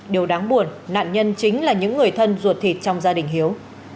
điều đáng buồn nạn nhân chính là những người thân ruột thịt trong gia đình hiếu